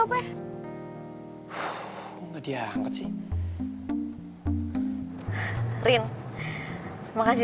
apakah gue dateng daripmd